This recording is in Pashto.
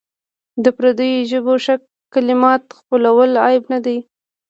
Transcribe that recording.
د پردیو ژبو ښه کلمات خپلول عیب نه دی.